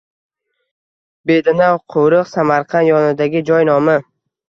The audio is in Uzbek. Bedanaqo‘riq – Samarqand yonidagi joy nomi.